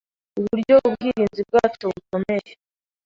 uburyo ubwirinzi bwacu bukomeye